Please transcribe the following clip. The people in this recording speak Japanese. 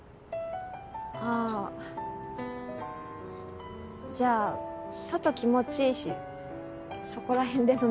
あじゃあ外気持ちいいしそこら辺で飲みません？